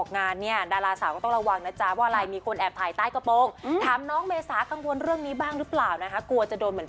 งานเนี่ยดาราสาวก็ต้องระวังนะจ๊ะว่าอะไรมีคนแอบถ่ายใต้กระโปรงถามน้องเมษากังวลเรื่องนี้บ้างหรือเปล่านะคะกลัวจะโดนเหมือน